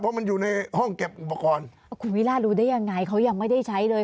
เพราะมันอยู่ในห้องเก็บอุปกรณ์คุณวิราชรู้ได้ยังไงเขายังไม่ได้ใช้เลย